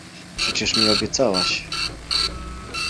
— Przecież mi obiecałaś…